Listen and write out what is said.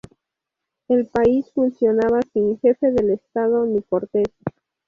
El país funcionaba sin jefe del Estado ni Cortes.